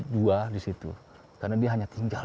dua di situ karena dia hanya tinggal